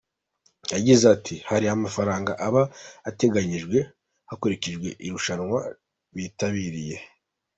Yagize ati “Hari amafaranga aba ateganyijwe hakurikijwe irushanwa bitabiriye.